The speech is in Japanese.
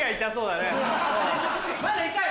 まだ痛い？